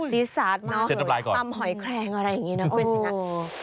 กับศีรษรมากเลยปัมหอยแครงอะไรอย่างนี้นะคุณนัก